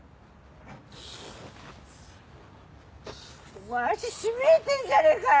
お前足しびれてんじゃねえかよ。